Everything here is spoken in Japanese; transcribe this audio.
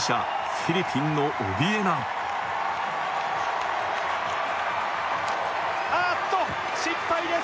フィリピンのオビエナあっと失敗です